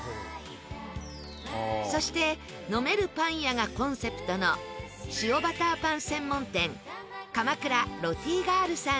そして「飲めるパン屋」がコンセプトの塩バターパン専門店鎌倉ロティガールさん。